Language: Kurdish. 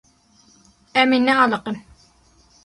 Em ê nealiqin.